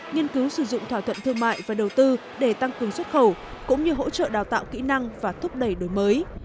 nghiên cứu sử dụng thỏa thuận thương mại và đầu tư để tăng cường xuất khẩu cũng như hỗ trợ đào tạo kỹ năng và thúc đẩy đổi mới